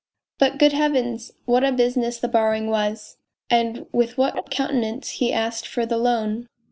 But, good heavens ! what a business the borrowing was ! And with what a countenance he asked for the loan